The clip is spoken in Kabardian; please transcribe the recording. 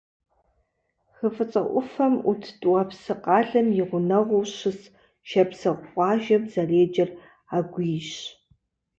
Хы ФIыцIэ Iуфэм Iут ТIуапсы къалэм и гъунэгъуу щыс шапсыгъ къуажэм зэреджэр Агуийщ.